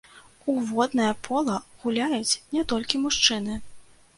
У воднае пола гуляюць не толькі мужчыны.